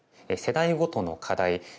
世代ごとの課題